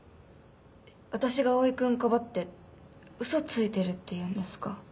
私が蒼くんかばって嘘ついてるって言うんですか？